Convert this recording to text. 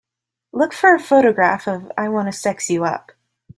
Look for a photograph of I Wanna Sex You Up